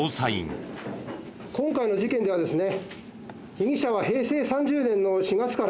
今回の事件ではですね